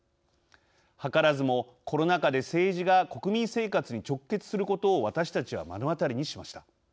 図らずもコロナ禍で政治が国民生活に直結することを私たちは目の当たりにしました。